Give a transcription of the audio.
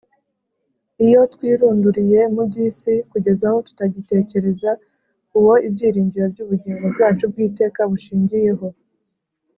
,. Iyo twirunduriye mu by’isi kugeza aho tutagitekereza Uwo ibyiringiro by’ubugingo bwacu bw’iteka bushingiyeho,